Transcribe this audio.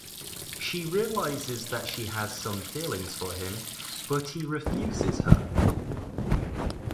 She realizes that she has some feelings for him but he refuses her.